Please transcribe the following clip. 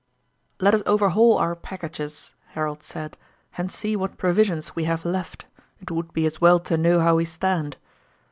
"Let us overhaul our packages," Harold said, "and see what provisions we have left. It would be as well to know how we stand."